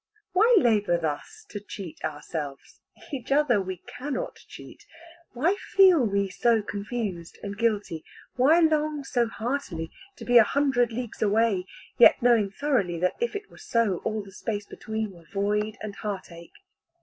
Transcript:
Why labour thus to cheat ourselves each other we cannot cheat why feel we so confused and guilty, why long so heartily to be a hundred leagues away, yet knowing thoroughly that, if it were so, all the space between were void and heartache?